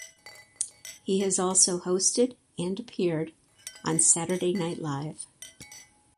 He has also hosted and appeared on "Saturday Night Live".